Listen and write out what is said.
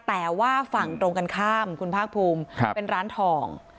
แต่ว่าฝั่งตรงกันข้ามคุณภาคภูมิเป็นร้านทอง